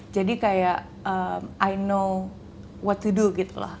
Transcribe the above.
jadi kayak i know what to do gitu lah